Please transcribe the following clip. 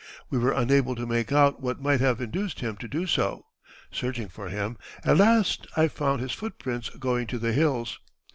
We were unable to make out what might have induced him to do so. Searching for him, at last I found his footprints going to the hills."